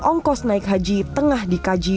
ongkos naik haji tengah dikaji